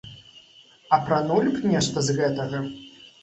Апранулі б нешта з гэтага?